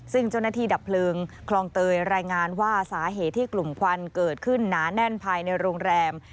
ซึ่งเจ้าหน้าที่ดับเพลิงคลองเตยรายงานว่าสาเหตุที่กลุ่มควันเกิดขึ้นหนาแน่นภายในโรงแรม